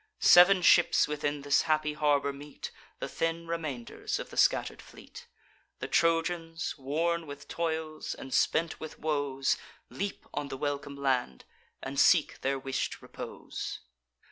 Sev'n ships within this happy harbour meet, The thin remainders of the scatter'd fleet. The Trojans, worn with toils, and spent with woes, Leap on the welcome land, and seek their wish'd repose.